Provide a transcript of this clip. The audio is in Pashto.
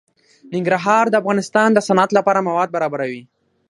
ننګرهار د افغانستان د صنعت لپاره مواد برابروي.